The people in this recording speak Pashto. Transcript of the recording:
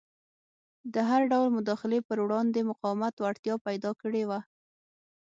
د هر ډول مداخلې پر وړاندې مقاومت وړتیا پیدا کړې وه.